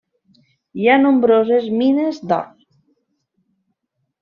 Hi ha nombroses mines d'or.